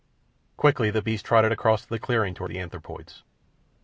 Quickly the beast trotted across the clearing toward the anthropoids.